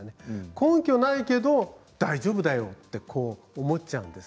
根拠はないけれど大丈夫だよと思ってしまうんです。